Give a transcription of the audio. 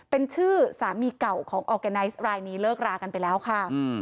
เป็นชื่อสามีเก่าของออร์แกไนซ์รายนี้เลิกรากันไปแล้วค่ะ